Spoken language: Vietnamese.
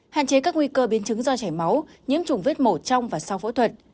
hạn chế các nguy cơ biến chứng do chảy máu nhiễm trùng vết mổ trong và sau phẫu thuật